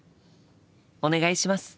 お願いします！